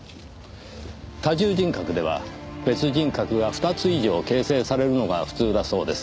多重人格では別人格が２つ以上形成されるのが普通だそうです。